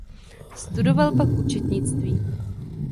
Studoval pak účetnictví.